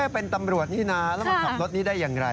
เป็นตำรวจนี่นะแล้วมาขับรถนี้ได้อย่างไร